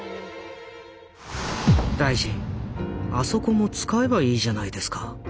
「大臣あそこも使えばいいじゃないですか。